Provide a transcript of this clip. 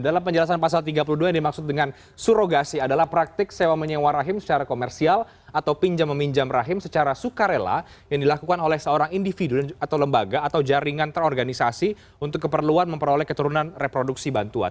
dalam penjelasan pasal tiga puluh dua yang dimaksud dengan surogasi adalah praktik sewa menyewa rahim secara komersial atau pinjam meminjam rahim secara sukarela yang dilakukan oleh seorang individu atau lembaga atau jaringan terorganisasi untuk keperluan memperoleh keturunan reproduksi bantuan